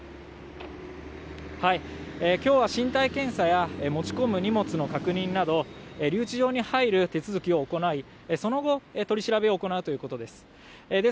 今日は身体検査や持ち込む荷物の確認など留置場に入る手続きを行い、その後、取り調べを行うということです。